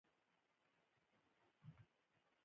صداقتونه یې له اخلاقو له قید څخه باسي.